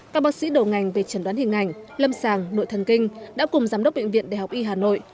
các bác sĩ đầu ngành về trần đoán hình ảnh lâm sàng nội thần kinh đã cùng giám đốc bệnh viện đại học y hà nội